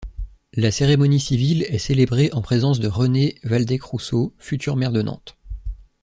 La cérémonie civile est célébrée en présence de René Waldeck-Rousseau, futur maire de Nantes.